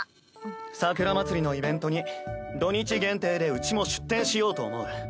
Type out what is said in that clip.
桜まつりのイベントに土日限定でうちも出店しようと思う。